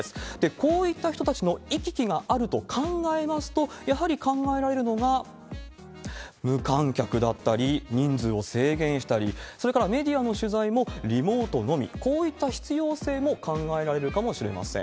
こういった人たちの行き来があると考えますと、やはり考えられるのが無観客だったり、人数を制限したり、それからメディアの取材もリモートのみ、こういった必要性も考えられるかもしれません。